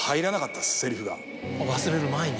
忘れる前に？